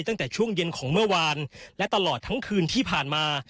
ตั้งแต่ช่วงเย็นของเมื่อวานและตลอดทั้งคืนที่ผ่านมา